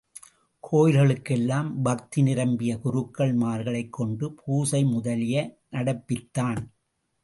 கோயில்களுக்கெல்லாம் பக்தி நிரம்பிய குருக்கள் மார்களைக் கொண்டு பூஜை முதலிய நடப்பித்தான்.